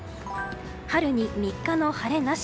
春に３日の晴れなし。